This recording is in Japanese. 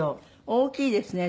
大きいですね